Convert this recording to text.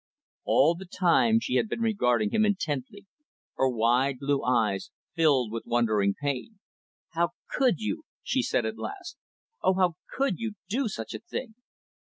All the time, she had been regarding him intently her wide, blue eyes filled with wondering pain. "How could you?" she said at last. "Oh, how could you do such a thing?"